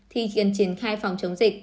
thì cần triển khai phòng chống dịch